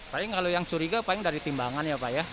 paling kalau yang curiga paling dari timbangan ya pak ya